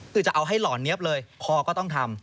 คือจะเอาให้หล่อเนี๊ยบเลยคอก็ต้องทำ